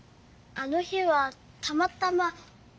あの日はたまたま。